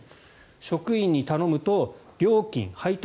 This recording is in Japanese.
職員に頼むと料金・配達